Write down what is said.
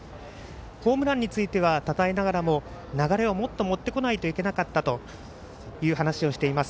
ホームランについてはたたえながらも、流れをもっと持ってこないといけなかったという話をしています。